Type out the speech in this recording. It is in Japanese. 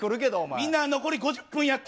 みんな残り５０分やって。